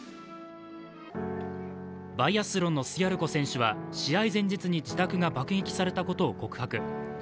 バイアスロンのスヤルコ選手は試合前日に自宅が爆撃されたことを告白。